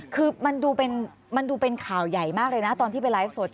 คือมันดูเป็นข่าวใหญ่มากเลยนะตอนที่ไปไลฟ์สด